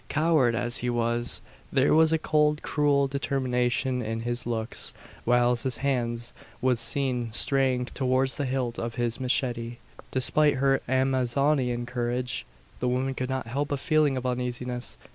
Coward as he was, there was a cold cruel determination in his looks, whilst his hand was seen straying towards the hilt of his machete. Despite her Amazonian courage, the woman could not help a feeling of uneasiness.